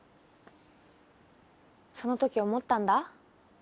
そのとき思ったんだ。